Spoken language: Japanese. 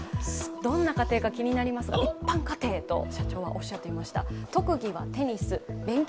どんな家庭か気になりますが、一般家庭と社長はおっしゃっていました。